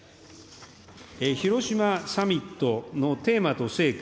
広島サミットのテーマと成果